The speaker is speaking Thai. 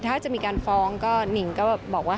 ถ้าจะมีการฟ้องก็หนิ่งก็บอกว่า